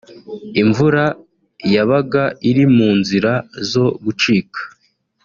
Imvura yabaga iri mu nzira zo gucika